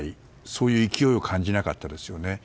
そういう勢いを感じなかったですよね。